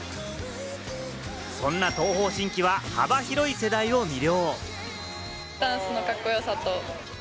そんな東方神起は、幅広い世代を魅了。